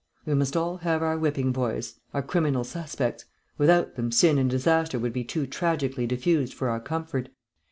We must all have our whipping boys, our criminal suspects; without them sin and disaster would be too tragically diffused for our comfort.